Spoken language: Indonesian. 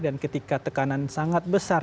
ketika tekanan sangat besar